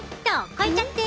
越えちゃって！